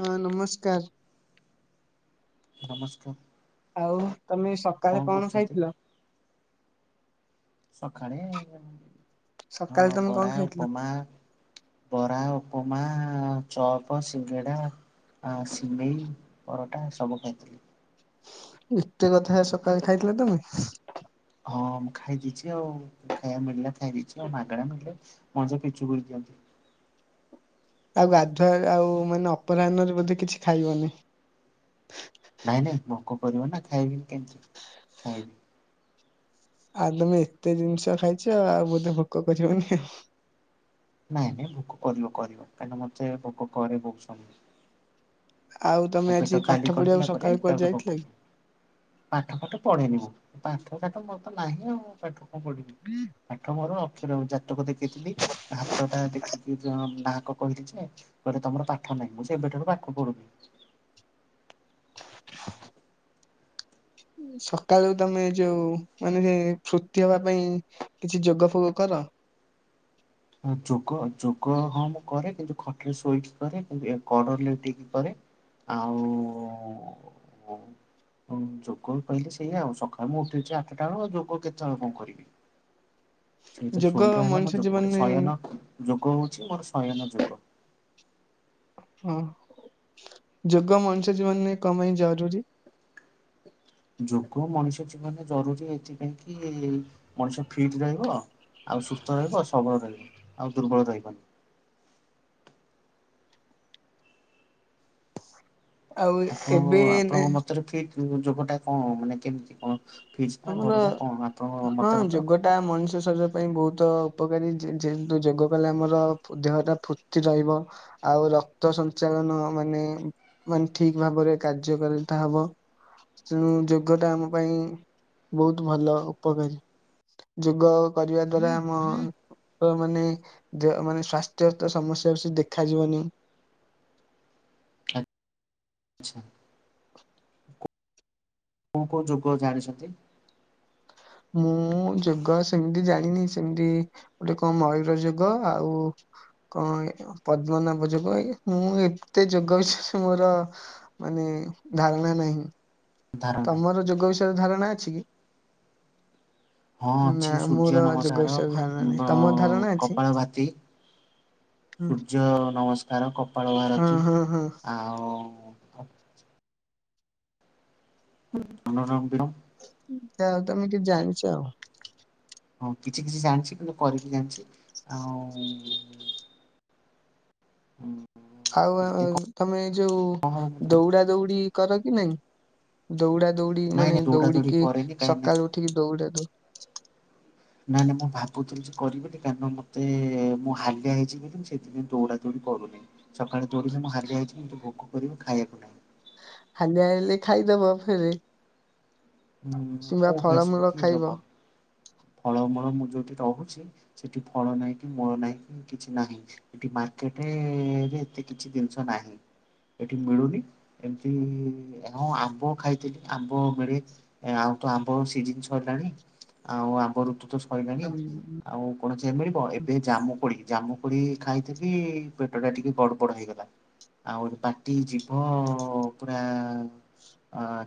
ହଁ ନମସ୍କାର। ନମସ୍କାର। ଆଉ ତମେ ସକାଳେ କଣ ଖାଇଥିଲ? ସକାଳେ ହଁ ସକାଳେ ତମେ କଣ ବରା, ଖାଇଥିଲ? ଉପମା ବରା, ଉପମା, ଚପ, ସିଙ୍ଗେଡ଼ା ଆ ସିମେଇ, ପରଟା ସବୁ ଖାଇଥିଲି। ଏତେ କଥା ହେ ସକାଳେ ଖାଇଥିଲ ତମେ? ହଁ ମୁଁ ଖାଇଦେଇଛି ଆଉ, ଖାଇବା ମିଳିଲା ଖାଇଦେଇଛି ଆଉ ମାଗଣା ମିଳିଲା। ମଜା ପିଚୁ କରି ଦିଅନ୍ତୁ। ଆଉ ଗାଧୁଆ ଆଉ ମାନେ ଅପରାହ୍ନରେ ବୋଧେ କିଛି ଖାଇବନି? ନାଇଁ ନାଇଁ ଭୋକ କରିବ ନା ଖାଇବିନି କେମିତି, ଖାଇବି। ଆଉ ତମେ ଏତେ ଜିନିଷ ଖାଇଛ ଆଉ ବୋଧେ ଭୋକ କରିବନି ଆଉ। ନାଇଁ ନାଇଁ ଭୋକ କରିବ କରିବ କାହିଁକିନା ମତେ ଭୋକ କରେ ବହୁତ ସମୟ। ଆଉ ତମେ ମୋ ଆଜି ପେଟ ପାଠ ଖାଲି ପଢିବାକୁ କରିଦେଲା ପରେ ସକାଳୁ କୁଆଡେ ତାପରେ ଯାଇଥିଲ ଭୋକ କି? ପାଠ ପାଠ ପଢେନି ମୁଁ ପାଠ ସାଠ ମୋର ତ ନାହିଁ ଆଉ ପାଠ କଣ ପଢିବି। ବି ପାଠ ମୋର ଅକ୍ଷର ଜାତକ ଦେଖେଇଥିଲି ହାତ ଟା ଦେଖିକି ଜଣ ନାହାକ କହିଲି ଯେ, କହିଲେ ତମର ପାଠ ନାହିଁ। ମୁଁ ସେବେଠାରୁ ପାଠ ପଢୁନି। ହୁଁ। ସକାଳୁ ତମେ ଯୋଉ ମାନେ ଫୁର୍ତ୍ତି ହେବା ପାଇଁ କିଛି ଯୋଗ ଫୋଗ କର? ଯୋଗ ଯୋଗ ହଁ ମୁଁ କରେ କିନ୍ତୁ ଖଟରେ ଶୋଇକି କରେ କିନ୍ତୁ ଏ କଡ ଲେଉଟିକି କରେ ଆଉ ହଁ ଯୋଗ କହିଲେ ସେଇଆ ଆଉ ସଖାଳେ ମୁଁ ଉଠୁଛି ଆଠଟା ବେଳ ଯୋଗ କେତେବେଳେ କଣ କରିବି? ସେଇଟା ଯୋଗ ଶୋଇବା ହେଲା ମଣିଷ ମୁଁ ଯୋଗ କରୁଚି। ଜୀବନରେ ଯୋଗ ହଉଛି ମୋର ଶୟନ ଯୋଗ। ହଁ ଯୋଗ ମଣିଷ ଜୀବନରେ କମ ପାଇଁ ଜରୁରୀ? ଯୋଗ ମଣିଷ ଜୀବନରେ ଜରୁରୀ ଏଥିପାଇଁ କି ମଣିଷ ଫିଟ ରହିବ ଆଉ ସୁସ୍ଥ ରହିବ ଆଉ ସବଳ ରହିବ ଆଉ ଦୁର୍ବଳ ରହିବନି। ଆଉ ଆପଣ ଏବେ ଆପଣଙ୍କ ମତରେ ଫିଟ୍ ରୁହ ଯୋଗ ଟା କଣ ମାନେ କେମତି କଣ ଫିଜ୍ ନା ଭଲ ନା କଣ ଆପଣଙ୍କ ମତା ମତ? ଟା ମନୁଷ୍ୟ ଶରୀର ପାଇଁ ବହୁତ ଉପକାରୀ ଯେ-ଯେହେତୁ ଯୋଗ କଲେ ଆମର ଦେହଟା ଫୁର୍ତ୍ତି ରହିବ ଆଉ ରକ୍ତ ସଞ୍ଚାଳନ ମାନେ ମାନେ ଠିକ ଭାବରେ କାର୍ଯ୍ୟକାରିତା ହବ ତେଣୁ ଯୋଗ ଟା ଆମ ପାଇଁ। ବହୁତ ଭଲ ଉପକାରୀ ଯୋଗ କରିବା ଦ୍ଵାରା ଆମ। ତ ମାନେ ମାନେ ସ୍ଵାସ୍ଥ୍ୟ ତ ସମସ୍ୟା ସେ ଦେଖାଯିବନି। ଆଚ୍ଛା। କୋଉ କୋଉ ଯୁଗ ଜାଣିଛନ୍ତି? ମୁଁ ଯୋଗ ସେମିତି ଜାଣିନି ସେମତି ଦେଖି ମୟୂର ଯୁଗ ଆଉ କଣ ପଦ୍ମନାଭ ଯୋଗୁ ମୁଁ ଏତେ ଯୋଗବିଶେଷମୋର। ମାନେ ଧାରଣା ନାହିଁ। ଧାର ନାହିଁ ତମର ଯୋଗ ବିଷୟରେ ଧାରଣା ଅଛି କି? ହଁ ନା ଅଛି ସୂର୍ଯ୍ୟ ମୋର ଯୋଗ ବିଷୟରେ ଧାରଣା ନାହିଁ ନମସ୍କାର ତମର ଧାରଣା ଅଛି? କପାଳ ଭାତି ହୁଁ ସୂର୍ଯ୍ୟ ନମସ୍କାର କପାଳ ହଁ ଭାରତୀ ହଁ ହଁ ଆଉ ନାମ ଦର [unintelligible] ଯଉ ତମେ କିଛି ଜାଣିଚ। ହଁ କିଛି କିଛି ଜାଣିଛି କିନ୍ତୁ କରିକିଜାଣିଛି ଆଉ ହୁଁ [unintelligible] ଆଉ ତମେ ଯୋଉ ହବ ମୁଁ ତ ନାଇଁ ଦୌଡା ଦୌଡି କର କି ନାଇଁ। ଦୌଡା ଦୌଡି ମାନେ ନାଇଁ ଦୌଡା ଦୌଡି ଦୌଡିକି କରେନି କାହିଁକି ନା ସକାଳୁ ଉଠିକି ଦୌଡା ଦୌ ନାଇଁ ନାାଇଁ ମୁଁ ଭାବୁଥିଲି ଯେ କରିବିନି କାରଣ ମତେ ମୁଁ ହାଲିଆ ହେଇଛି ଦୌଡ଼ା ଦୌଡ଼ି କରୁନି। ସକାଳେପହରୁମୁଁ ହାଲିଆ ହୋଇଯିବି ଭୋକ କରିବ ଖାଇବାକୁ ନାହିଁ। ହାଲିଆ ହେଲେଖାଇଦବ ଫେରେ ହୁଁ କିମ୍ବା କୋଉଠି ଆସିବ ଫଳମୂଳ ଯେ ଖାଇବ ଦବ ଫଳମୂଳ ମୁଁ ତତେ ଦଉଚି। ସେଠି ଫଳ ନାହିଁ କି ମୂଳ ନାହିଁ କି କିଛି ନାହିଁ। ଏଠି ମାର୍କେଟରେ ଏତେ କିଛି ଜିନିଷ ନାହିଁ। ଏଠି ମିଳୁନି ଏମିତିଁ ଆମ୍ବ ଖାଇଥିଲି ଆମ୍ବ ମିଳେ। ଏ ଆଉ ତ ଆମ୍ବ ସିଜିିନ ସରିଲାଣି ଆଉ ଆମ୍ବ ଋତୁ ତ ସରିଲଣି। ଆଉ ଆଉ କଣ ସେ ମିଳିବ ଏବେ ଜାମୁ କୋଡି ଜାମୁ କୋଡି ଖାଇଛନ୍ତି ପେଟ ଟା ଟିକେ ଗଡ ବଡ ହେଇଗଲା। ଆଉ ପାଟି ଜିଭ ପୁରା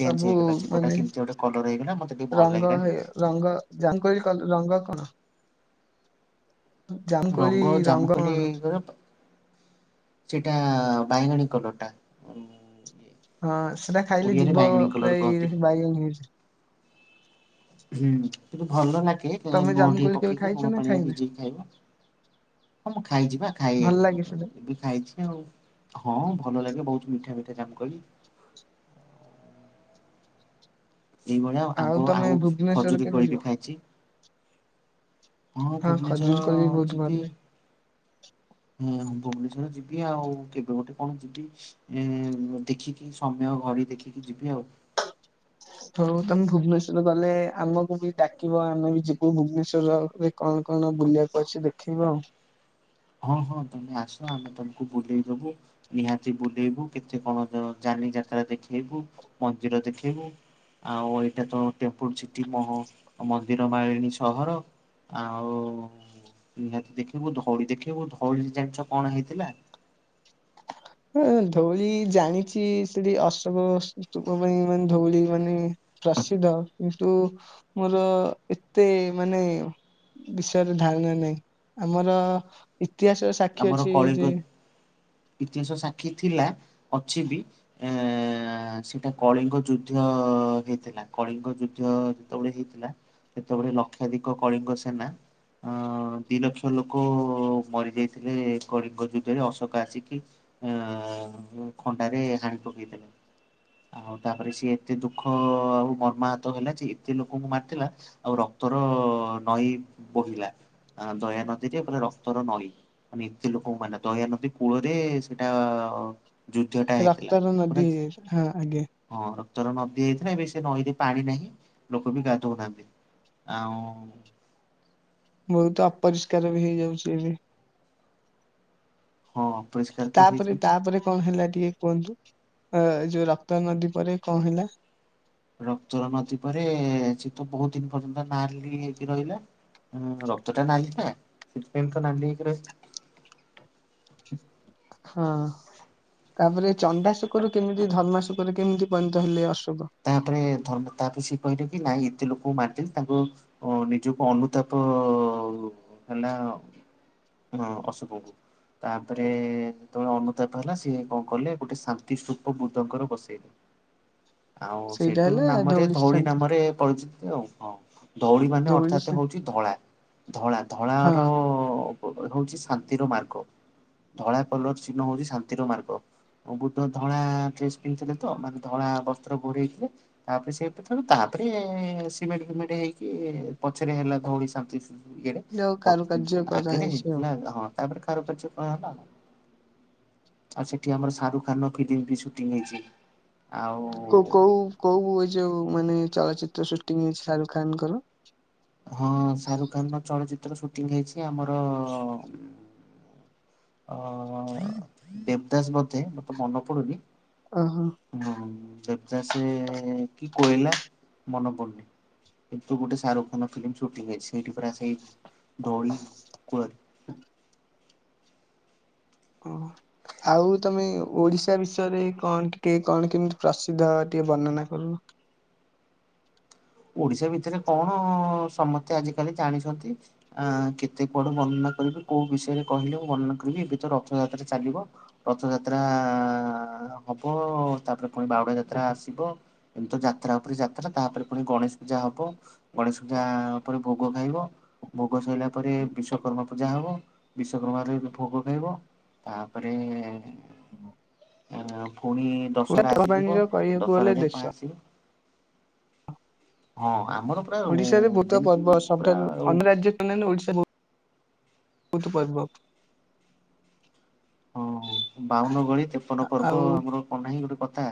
ଚେଞ୍ଜ ସବୁ ହେଇଗଲା ଜିଭଟା ମାନେ କେମତି ଗୋଟେ କଲର ହେଇଗଲା ମତେ ଟିକେ ଭଲ ରଙ୍ଗ ହେଇ ଲାଗିଲାନି। ରଙ୍ଗ। ଜାମୁକୋଳି କଲର ରଙ୍ଗ କଣ? ଜାମୁକୋଳି ରଙ୍ଗ କଣ? ଜାମୁକୋଳିରସେଟା ବାଇଗଣୀ କଲର ଟା। ହଁ ସେଟା ଖାଇଲେ ଓଡ଼ିଆରେ ଜିଭ ବାଇଗଣୀ କଲର ପୁରା କୁହନ୍ତି ବାଇଗେଣି ହେଇଯିବ,। ହୁଁ ଭଲ ଲାଗେ ତମେ ଲୁଣ ଟିକେ ଜାମୁକୋଳି କେବେ ପକେଇକି ଖାଇଛ ଲୁଣ ନା ପାଣି ଖାଇନା? ଭିଜେଇକି ଖାଇବ। ହଁ ମୁଁ ଖାଇଛି ବା ଭଲ ଲାଗେ ସେଟା ଖାଇମୁଁଖାଇଛି। ହଁ ଭଲ ଲାଗେ ବହୁତ ମିଠା ମିଠା ବାସୁକୋଳି। ଏଇଭଳିଆ ଆମ୍ବ ତମେ ଆଉ ଭୁବନେଶ୍ଵର ଖଜୁରୀ କେବେ କୋଳି ଯିବ? ବି ଖାଇଛି। ହଁ ଭୁବନେଶ୍ଵର ଖଜୁରୀ କୋଳି ବି ବହୁତ ଭଲ ଯିବି। ଲାଗେ। ହୁଁଁ ଭୁବନେଶ୍ଵର ଯିବି ଆଉ କେବେ ଗୋଟେ କଣ? ଏ ଦେଖିକି ସମୟ ଘଡ଼ିଦେଖିକି ଯିବି ଆଉ ହଉ ତମେ ଭୁବନେଶ୍ଵର ଗଲେ ଆମକୁ ବି ଡାକିବ ଆମେ ବି ଯିବ ଭୁବନଶ୍ୱରରେ କଣ କଣ ବୁଲିବାକୁ ଅଛି ଦେଖିବ ଆଉ? ହଁ ହଁ ତମେ ଆସ ଆମେ ତମକୁ ବୁଲେଇଦବୁ। ନିହାତି ବୁଲେଇବୁ କେତେ କଣ ଯାନି ଯାତ୍ରା ଦେଖେଇବୁ ମନ୍ଦିର ଦେଖେଇବୁ। ଆଉ ଏଇଟା ତ ଟେମ୍ପୁଲ ସିଟି ମନ୍ଦିର ମାଳିଣୀ ସହର। ଆଉ ନିହାତି ଦେଖିବୁ, ଧଉଳି ଦେଖିବୁ, ଧଉଳି ଜାଣିିଚ କଣ ହେଇଥିଲା? ହଁ ଧଉଳି ଜାଣିଚି, ସେଠି ଅଶୋକ [unintelligible] ପାଇଁ ମାନେ ଧଉଳି ମାନେ ପ୍ରସିଦ୍ଧ କିନ୍ତୁ ମୋର ଏତେ ମାନେ ବିଷୟରେ ଧାରଣା ନାହିଁ, ଆମର ଇତିହାସ ଆମର କଳିଙ୍ଗ, ଇତିହାସ ସାକ୍ଷୀ ଥିଲା, ଅଛି ବି। ଏଁ ଏଁ ଏଁ, ସେଟା କଳିଙ୍ଗ ଯୁଦ୍ଧ ହେଇଥିଲା, କଳିଙ୍ଗ ଯୁଦ୍ଧ ଯୋ ଯେତେବେଳେ ହେଇଥିଲା, ସେତେବେଳେ ଲକ୍ଷାଧିକ କଳିଙ୍ଗ ସେନା ଅ ଅ ଦି ଲକ୍ଷ ଲୋକ ମରିଯାଇ ଥିଲେ କଳିଙ୍ଗ ଯୁଧରେ, ଅଶୋକ ଆସିକି ଆ ଆ ଆ ଖଣ୍ଡାରେ ହାଣି ପକେଇଥିଲେ। ଆଉ ତାପରେ ସିଏ ଏତେ ଦୁଃଖ ଆଉ ମର୍ମାହତ ହେଲା ଯେ, ଏତେ ଲୋକଙ୍କୁ ମାରିଥିଲା ଆଉ ରକ୍ତର ନଈ ବହିଲା, ଦୟା ନଦୀରେ ପୁରା ରକ୍ତର ନଈ ମାନେ ଏତେ ଲୋକଙ୍କୁ ମାନେ, ଦୟା ନଦୀ କୂଳରେ ସେଟା ଆ ରକ୍ତାର ନଦୀ ହେଇଯାଇଥିଲା, ହଁ ଆଜ୍ଞା। ହଁ, ରକ୍ତର ନଦୀ ହେଇଥିଲା, ଏବେ ସେ ନଈରେ ପାଣି ନାହିଁ, ଲୋକ ବି ଗାଧଉନାହାନ୍ତି। ଆଉଁ ବହୁତ ଅପରିଷ୍କାର ବି ହେଇଯାଉଚି ଏବେ। ହଁ ପ [unintelligible] ତାପରେ, ତାପରେ କଣ୍ ହେଲା ଟିକେ କୁହନ୍ତୁ? ଅ ଯୋଉ ରକ୍ତ ନଦୀ ପରେ କଣ୍ ହେଲା? ରକ୍ତର ନଦୀ ପରେ, ସେ ତ ବହୁତ ଦିନି ପର୍ଯ୍ୟନ୍ତ ନାଲି ହେଇକି ରହିଲା ହଁ ରକ୍ତ ଟା ନାଲିନା? ସେଥିପାଇଁ ତ ନାଲି ହେଇକି ରହିଥିଲା। ହଁ। ତାପରେ, ଚଣ୍ଡାଶୋକରୁ କେମିତି ଧର୍ମାଶୋକରେ କେମିତି ପଣିତ ହେଲେ ଅଶୋକ? ତାପରେ ଧର୍ମ, ତାପରେ ସେ କହିଲେ କି ନାଇଁ ଏତେ ଲୋକଙ୍କୁ ମାରିଦେଲି ତାଙ୍କୁ ଉ ଓ ନିଜକୁ ଅନୁତାପ ହେଲା। ହଁ ଅଶୋକ ଙ୍କୁ। ତାପରେ ଯେତେବେଳେ ଅନୁତାପ ହେଲା, ସିଏ କଣ୍ କଲେ, ଗୋଟାଏ ଶାନ୍ତି ସ୍ତୁପ ବୃଦ୍ଧଙ୍କର ବସେଇଲେ ଆଉ ସେଇଟା ସେଇଠୁ ହେଲା ନାମରେ, ଧଉଳି ଶ୍ରାନ୍ତି ନାମରେ ପରିଚିତ ଆଉ, ହଁ, ଧଉଳି ମାନେ ଅର୍ଥାତ ହଉଚି ଧଳା, ଧଳା, ଧଳା ହଁ ର ହଉଚି ଶାନ୍ତିର ମାର୍ଗ। ଧଳା କଲର୍ ଚିହ୍ନ ହଉଚି ଶାନ୍ତିର ମାର୍ଗ। ବୁଧ ଧଳା ଡ୍ରେସ୍ ପିନ୍ଧିଥିଲେ ତ, ମାନେ ଧଳା ବସ୍ତ୍ର ଘୋଡେଇଥିଲେ। ତାପରେ ସେ, ତାପରେ ସିମେଣ୍ଟ୍ ଫିମେଣ୍ଟ୍ ହେଇକି ପଛରେ ହେଲା ଧଉଳି ଶାନ୍ତି ସ୍ତୁ ଇଏଡେ, ଯୋଉ ପ କାରୁକାର୍ଯ୍ୟ ଆଗରେ କରାହେଇଛି ଆଉ ହେଇଥିଲା ହଁ, ତାପରେ କାରୁକାର୍ଯ୍ୟ କରାହେଲା ଆଉ। ଆଉ ସେଠି ଆମର ଶାରୁଖ୍ ଖାନ୍ ର ଫିଲ୍ମ ବି ସୁଟିଂ ହେଇଚି, ଆଉ ଉ କୋଉ କୋଉ ଏ ଯୋଉ ମାନେ ଚଳଚିତ୍ର ସୁଟିଂ ହେଇଚି ଶାରୁଖାନ୍ ଙ୍କର? ହଁ ଶାରୁଖ ଖାନ୍ ର ଚଳଚିତ୍ର ସୁଟିଂ ହେଇଚି ଆମର ଅ ଅ ଅ ଦେବଦାସ୍ ବୋଧେ, ମତେ ମନେ ପଡୁନି। ଓହୋ। [unintelligible] ଦେବଦାସ୍ କି କୋଏଲା ମନେ ପଡୁନି। କିନ୍ତୁ ଗୋଟେ ଶାହରୁଖ ଖାନ୍ ର ଫିଲ୍ମ ସୁଟିଂ ହେଇଚି, ସେଇଠି ପରା ଆ ସେଇ ଧଉଳି କୂଳରେ। ହଁ। ଓ ଆଉ ତମେ ଓଡିଶା ବିଷୟରେ, କଣ୍ ଟିକିଏ, କଣ୍ କେମିତି ପ୍ରସିଦ୍ଧ, ଟିକିଏ ବର୍ଣ୍ଣନା କରୁନ? ଓଡିଶା ଭିତରେ କଣ୍, ସମସ୍ତେ ଆଜିକାଲି ଜାଣିଚନ୍ତି। ଆ କେତେ କୁଆଡେ ବର୍ଣ୍ଣନା କରିବି, କୋଉ ବିଷୟରେ କହିଲେ ମୁ ବର୍ଣନା କରିବି, ଏବେ ତ ରଥଯାତ୍ରା ଚାଲିବ। ରଥଯାତ୍ରା ହବ ତାପରେ ପୁଣି ବାହୁଡ଼ା ଯାତ୍ରା ଆସିବ ଏମିତି ଯାତ୍ରା ଉପରେ ଯାତ୍ରା ତାପରେ ପୁଣି ଗଣେଶ ପୂଜା ହବ ଗଣେଶ ପୂଜା ପରେ ଭୋଗ ଖାଇବ ଭୋଗ ସଇଲା ପରେ ବିଶ୍ଵକର୍ମା ପୂଜା ହବ ବିଶ୍ଵକର୍ମାରେ ବି ଭୋଗ ଖାଇବ ତା ପରେ ଆ ପୁଣି ଦଶହରା ଆସିଯିବ ପର୍ବାଣୀର କହିବାକୁ ଗଲେ ଦଶହରାରେ କଣ ଦେଶ ଆସିବ? ହଁ ଆମର ପୁରା ଓଡିଶାରେ ବହୁତ ଯେମିତି ପର୍ବ ପୁରା ସବୁଠାରୁ ହଁ ଅନ୍ୟ ରାଜ୍ୟ ଅନ୍ୟାନ୍ୟ ଓଡିଶା ବହୁତ ପର୍ବ। ହଁ ବାଉନ ଗଳି ତେପନ ପର୍ବ ଆଉ ଆମର କଣ ନାହିଁ ଗୋଟେ କଥା।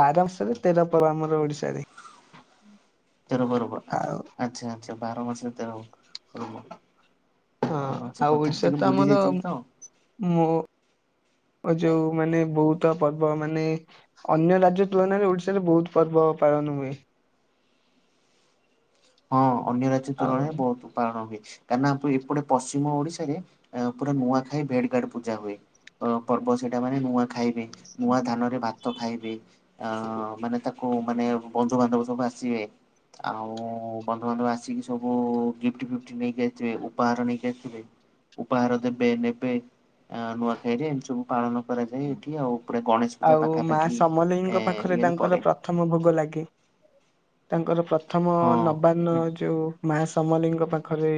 ବାର ମାସରେ ତେର ପର୍ବ ଆମର ଓଡିଶାରେ। ତେର ପବର ଆ ଆଉ ଆଚ୍ଛା ଆଚ୍ଛା ବାର ମାସରେ ତେର ପର୍ବ ହଁ ଆଁ ସେ କଥା ଟିକିଏ ଭୁଲି ଯାଇଥିଲି ତ ମୋର ଯୋଉ ମାନେ ବହୁତ ପର୍ବ ମାନେ ଅନ୍ୟ ରାଜ୍ୟ ତୁଳନାରେ ଓଡିଶାରେ ବହୁତ ପର୍ବ ପାଳନ ହୁଏ। ହଁ ଅନ୍ୟ ରାଜ୍ୟ ଆଉ ତୁଳନାରେ ବହୁତ। ପାଳନ ହୁଏ କାହିଁନା ଏପେ ଏପଟେ ପଶ୍ଚିମ ଓଡିଶାରେ ପୁରା ନୂଆଖାଇ ଭେଟ୍ ଭାଟ୍ ପୂଜା ହୁଏ। ବଡ ପର୍ବ ସେଇଟା ମାନେ ନୂଆ ଖାଇବେ ନୂଆ ଧାନରେ ଭାତ ଖାଇବେ ଆ ମାନେ ତାକୁ ମାନେ ବନ୍ଧୁ ବାନ୍ଧବ ସବୁ ଆସିବେ ଆଉ ବନ୍ଧୁ ବାନ୍ଧବ ଆସିକି ସବୁ ଗିଫ୍ଟ ଫିଫ୍ଟ ନେଇକି ଆସିଥିବେ ଉପହାର ନେଇକି ଆସିଥିବେ। ଉପହାର ଦେବେ ନେବେ ଆ ନୂଆ ସେଇଠି ଏମିତି ସବୁ ପାଳନ କରାଯାଏ ଏଠି ଆଉ ପୁରା ଗଣେଶ ପୂଜା ଆଉ ପାଖା ମା ପାଖି ସମଲେଇଙ୍କ ଏ ପାଖରେ ଇଏରେ ତାଙ୍କର ପଡେ। ପ୍ରଥମ ଭୋଗ ଲାଗେ ତାଙ୍କର ପ୍ରଥମ ହଁ ନବାଅନ୍ନ ଯୋଉ ମା ସମ୍ବଲେଇଙ୍କ ପାଖରେ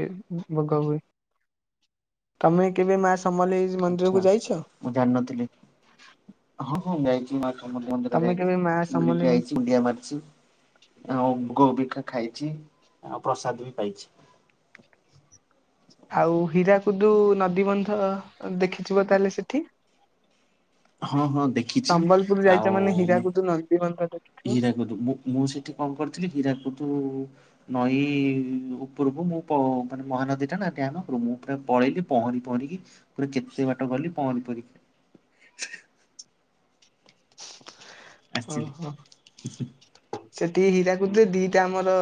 ଭୋଗ ହୁଏ। ତମେ କେବେ ମା ସମ୍ବଲେଇ ଆଚ୍ଛା ମନ୍ଦିରକୁୁ ଯାଇଛ? ମୁଁ ଜାଣିନଥିଲି ହଁ ହଁ ମୁଁ ଯାଇଛି। ମାଙ୍କ ମନ୍ଦିର ମୁଁ ଯେତେବେଳେ ତମେ କେବେ ଯାଏ ମା ସମଲେଇ ବୁଲିକି ମନ୍ଦି ଯାଇଛି ମୁଣ୍ଡିଆ ମାରିଛି ଆଉ ଗୋବିକା ଖାଇଛି ଆଉ ପ୍ରସାଦ ବି ପାଇଛି। ଆଉ ହୀରାକୁଦୁ ନଦୀବନ୍ଧ ଦେଖିଥିବ ତାହେଲେ ସେଠି? ହଁ ହଁ ଦେଖିଛି। ସମ୍ବଲପୁର ଆଉ ଯାଇଛ ମାନେ ହୀରାକୁଦୁ ନଦୀବନ୍ଧ ଦେଖିଥି ହୀରାକୁଦୁ ମୁଁ ମୁଁ ସେଠି କଣ କରିଥିଲି ହୀରାକୁଦୁ ନଈ ଉପରକୁ ମୁଁ ପ ମାନେ ମହାନଦୀ ଟା ନା ଡ୍ୟାମ୍ ଉପରକୁ ମୁଁ ପୁରା ପଳେଇଲି ପହଁରି ପହଁରିକି ପୁରା ଯେତେ ବାଟ ଗଲି ପହଁରି ପହଁରିକି। ଓ ଆସିଲି ହୋ। ସେଠି ହୀରାକୁଦୁରେ ଦି ଟା ଆମର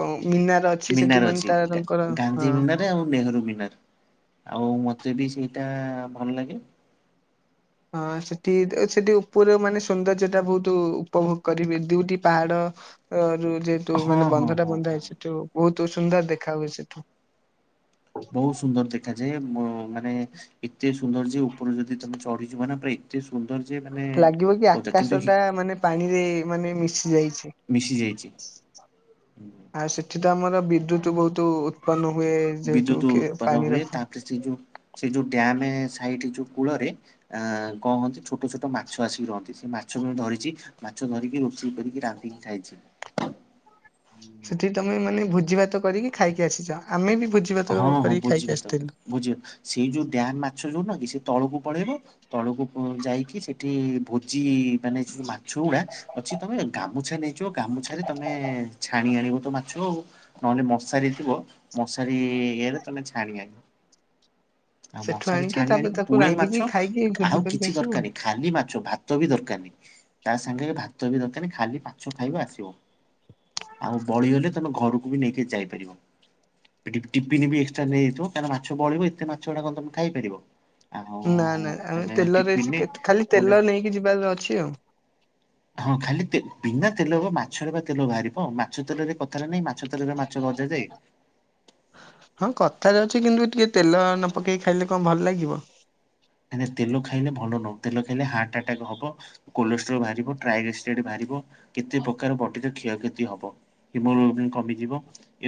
କଁ ମୀନାର ଅ ଅଛି ସେଠି ମୀନାର ମାନେ ଅଛି ଗା ତାଙ୍କର ହଁ ଗାନ୍ଧି ମୀନାର ରେ ଆଉ ନେହେରୁ ମୀନାର ଆଉ ମତେ ବି ସେଇଟା ଭଲ ଲାଗେ। ହଁ ସେଠି ଏତେ ସେଠି ଉପରେ ମାନେ ସୌନ୍ଦର୍ଯ୍ୟ ଟା ବହୁତ ଉପଭୋଗ କରିବେ ଦୁଇଟି ପାହାଡ ର ରୁ ଯେହେତୁ ହଁ ମାନେ ହଁ ବନ୍ଧଟା ହଁ ବନ୍ଧା ହଁ। ହେଇଛି ସେଠୁ ବହୁତ ସୁନ୍ଦର ଦେଖା ହୁଏ ସେଠୁ। ବହୁତ ସୁନ୍ଦର ଦେଖାଯାଏ ମ ମାନେ ଏତେ ସୁନ୍ଦର ଯେ ଉପରକୁ ଯଦି ତମେ ଚଢିଯିବ ନା ପୁରା ଏତେ ସୁନ୍ଦର ଯେ ମାନେ ଲାଗିବ କି ଓଦା କିନ୍ତୁ ଆକାଶ ହି ଟା ମାନେ ପାଣିରେ ମାନେ ମିଶି ଯାଇଛି। ମିଶି ଯାଇଛି। ଆଉ ସେଠି ତ ଆମର ବିଦ୍ୟୁତ୍ ବହୁତ ଉତ୍ପନ୍ନ ହୁଏ। ଯେହେତୁ ବିଦ୍ୟୁତ କି ଉତ୍ପନ ପାଣିର। ହୁଏ ତାପରେ ସେ ଯୋଉ ସେ ଯୋଉ ଡ୍ୟାମ୍ ସାଇଡ ଯୋଉ କୂଳରେ ଆଁ କଣ କହନ୍ତି ଛୋଟ ଛୋଟ ମାଛ ଆସିକି ରହନ୍ତି, ସେ ମାଛ ବି ମୁ ଧରିଛି। ମାଛ ଧରିକି ରୋଷେଇ କରିକି ରାନ୍ଧିକି ଖାଇଛି। ସେଠି ତମେ ମାନେ ଭୋଜି ଭାତ କରିକି ଖାଇକି ଆସିଛ ଆମେ ବି ଭୋଜି ଭାତ କରିକି ଖାଇକି ଆସିଥିଲୁ। ବୁଝିବ, ସେଇ ଯୋଉ ଡ୍ୟାମ୍ ମାଛ ଯୋଉନ କି ସେ ତଳକୁ ପଳେଇବ ତଳକୁ ପୁଁ ଯାଇକି ସେଠି ଭୋଜି ମାନେ ଯୋଉ ମାଛ ଗୁଡା ଅଛି ତମେ ଗାମୁଛା ନେଇଯିବ ଗାମୁଛାରେ ତମେ ଛାଣି ଆଣିବ ତ ମାଛ ଆଉ। ନହନେ ମଶାରୀ ଥିବ, ମଶାରୀ ଇଏରେ ତମେ ଛାଣି ଆଣିବ। ଆଉ ସେଠୁ ମଶାରୀ ଆଣିକି ଛାଣି ତାପରେ ଆଣିବ ତାକୁ ପୁଳେଇ ରାନ୍ଧିକି ମାଛ, ଖାଇକି ଭୋଜି ଆଉ କରିକି କିଛି ଆସିବୁ। ଦରକାର ନାହିଁ ଖାଲି ମାଛ ଭା ଭାତ ବି ଦରକାର ନାହିଁ, ତା ସାଙ୍ଗରେ ଭାତ ବି ଦରକାର ନାହିଁ ଖାଲି ମାଛ ଖାଇବ ଆସିବ। ଆଉ ବଳିଗଲେ ତମେ ଘରକୁ ବି ନେଇକି ଯାଇପାରିବ। ପିଟିପ୍ ଟିପିନି ଏକ୍ସଟ୍ରା ନେଇଯାଇଥିବ କାହିଁନା ମାଛ ବଳିବ ଏତେ ମାଛ ଗୁଡ଼ା ତମେ ଖାଇପାରିବ। ଆଉ ନା ନା, ଆମେ ତମେ ତେଲରେ ଟିଫିନରେ ଚିକେତ୍ ଖାଲି ଗୋଟେ ତେଲ ନେଇକି ଯିବାର ଅଛି ଆଉ। [inaudible] ହଁ ଖାଲି ବିନା ତେଲ୍, ବିନା ତେଲ ହବ ମାଛରେ ପା ତେଲ ବାହାରିବ, ମାଛ ତେଲରେ କଥାରେ ନାହିଁ ମାଛ ତେଲରେ ମାଛ ଭଜାଯାଏ। ହଁ କଥାରେ ଅଛି କିନ୍ତୁ ଟିକେ ତେଲ ନ ପକେଇକି ଖାଇଲେ କଣ ଭଲ ଲାଗିବ। କାଇଁନା ତେଲ ଖାଇଲେ ଭଲ ନୁହଁ, ତେଲ ଖାଇଲେ ହାର୍ଟଟାକ ହବ। କୋଲେଷ୍ଟ୍ରୋଲ୍ ବାହାରିବ, ଟ୍ରାଇ ରେସିଡେଡ଼ ବାହାରିବ କେତେ ପ୍ରକାର ବଡିର କ୍ଷୟକ୍ଷତି ହବ। ହିମୋଗ୍ଲୋବିନ୍ କମିଯିବ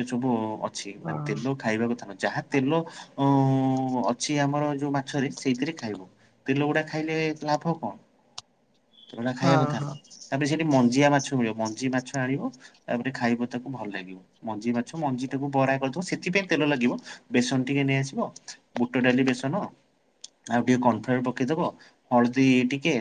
ଏସବୁ ଅ ଅଛି, ହଁ ମାନେ ତେଲ ଖାଇବା କଥା ନୁହେଁ, ଯାହା ତେଲ ଅଁ ଅଛି ଆମର ଯୋଉ ମାଛରେ ସେଇଥିରେ ଖାଇବ, ତେଲ ଗୁଡା ଖାଇଲେ ଲାଭ କଣ, ତେଲଗୁଡା ଖାଇବା କଥା ହଁ। ନୁହଁ। ତାପରେ ସେଇଠି ମଞ୍ଜିଆ ମାଛ ମିଳିବ ମଞ୍ଜି ମାଛ ଆଣିବ ତାପରେ ଖାଇବ ତାକୁ ଭଲ ଲାଗିବ। ମଞ୍ଜି ମାଛ, ମଞ୍ଜିଟାକୁ ବରା କରିଦବ ସେଥିପାଇଁ ତେଲ ଲାଗିବ ବେସନ ଟିକେ ନେଇଆସିବ। ବୁଟଡ଼ାଲି ବେସନ, ଆଉ ଟିକେ କର୍ଣଫ୍ଲାୱାର ପକେଇଦବ, ହଳଦୀ ଟିକେ।